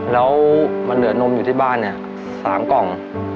แล้วมันเหลือนมอยู่ที่บ้านเนี่ย๓กล่อง